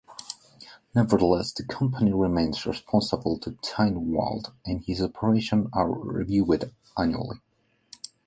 Nevertheless, the company remains responsible to Tynwald and its operations are reviewed annually.